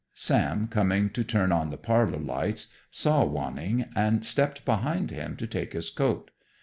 Sam, coming to turn on the parlor lights, saw Wanning and stepped behind him to take his coat.